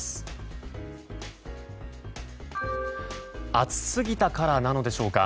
暑すぎたからなのでしょうか。